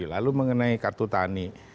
lalu mengenai kartu tani